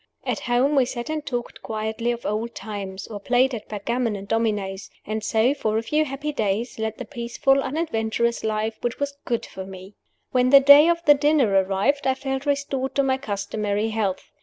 At home we sat and talked quietly of old times, or played at backgammon and dominoes and so, for a few happy days, led the peaceful unadventurous life which was good for me. When the day of the dinner arrived, I felt restored to my customary health.